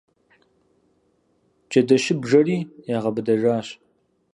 Джэдэщыбжэри ягъэбыдэжащ.